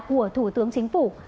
của thủ tướng chính phủ